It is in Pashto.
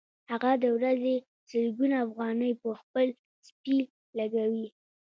هغه د ورځې سلګونه افغانۍ په خپل سپي لګوي